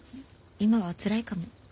今はつらいかも。